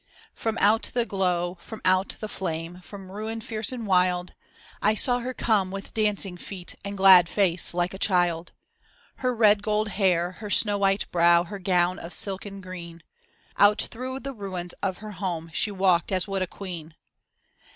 From out the glow, from out the flame, from ruin fierce and wild, I saw her come with dancing feet and glad face like a child. Her red gold hair, her snow white brow, her gown of silken green : Out through the ruins of her home, she walked as would a queen.